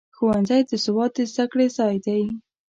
ښوونځی د سواد د زده کړې ځای دی.